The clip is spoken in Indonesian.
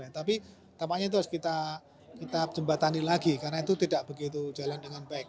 tapi tampaknya itu harus kita jembatani lagi karena itu tidak begitu jalan dengan baik